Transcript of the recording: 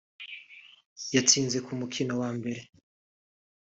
yatsinze ku mukino wa mbere